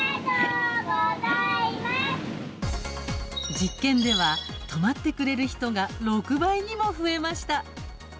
実験では、止まってくれる人が６倍にも増えました。